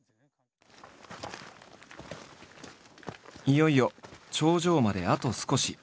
いよいよ頂上まであと少し。